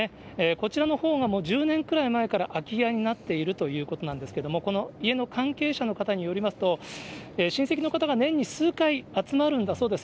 こちらのほうはもう１０年ぐらい前から空き家になっているということなんですけれども、この家の関係者の方によりますと、親戚の方が年に数回集まるんだそうです。